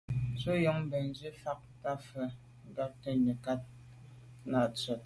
Ntù njon bènzwi fa tshwèt nkwate num nekag nà tshwèt.